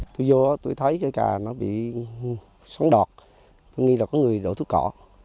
tôi vô tôi thấy cây cà nó bị xoắn đọt tôi nghĩ là có người đổ thuốc cỏ